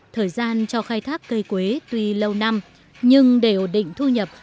thời gian cho khai thác cây quế tuy lâu năm nhưng để ổn định thu nhập